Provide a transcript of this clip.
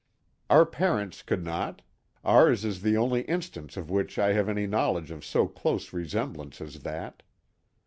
Our parents could not; ours is the only instance of which I have any knowledge of so close resemblance as that.